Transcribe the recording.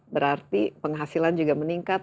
berarti penghasilan juga meningkat